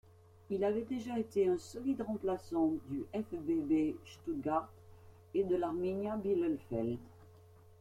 Il avait déjà été un solide remplaçant du Vfb Stuttgart et de l'Arminia Bielefeld.